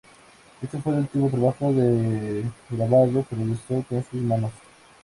Este fue el último trabajo de grabado que realizó con sus manos.